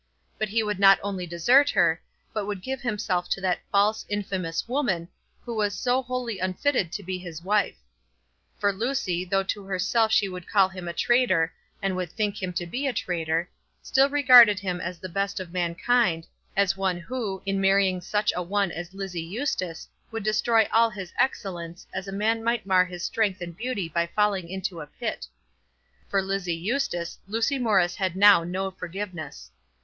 But he would not only desert her, but would give himself to that false, infamous woman, who was so wholly unfitted to be his wife. For Lucy, though to herself she would call him a traitor, and would think him to be a traitor, still regarded him as the best of mankind, as one who, in marrying such a one as Lizzie Eustace, would destroy all his excellence, as a man might mar his strength and beauty by falling into a pit. For Lizzie Eustace Lucy Morris had now no forgiveness.